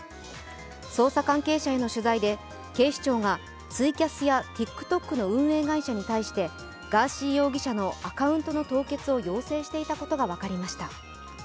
捜査関係者への取材で、警視庁がツイキャスやＴｉｋＴｏｋの運営会社に対してガーシー容疑者のアカウントの凍結を要請していたことが分かりました。